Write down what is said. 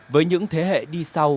với những thế hệ đi sau